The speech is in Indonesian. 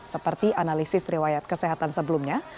seperti analisis riwayat kesehatan sebelumnya